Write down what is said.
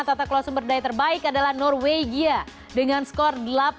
tata kelola sumber daya terbaik adalah norwegia dengan skor delapan